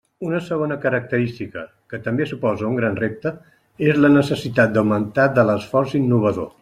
Una segona característica, que també suposa un gran repte, és la necessitat d'augmentar de l'esforç innovador.